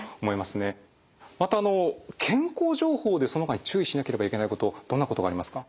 また健康情報でそのほかに注意しなければいけないことどんなことがありますか？